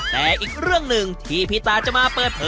แต่อีกเรื่องหนึ่งที่พี่ตาจะมาเปิดเผย